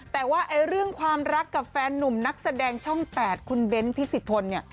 แต่ว่าเรื่องความรักกับแฟนนุ่มนักแสดงช่อง๘คุณเบ้นพิสิทธนเนี่ย